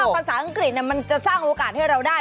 เพราะว่าภาษาอังกฤษจะสร้างโอกาสให้เราได้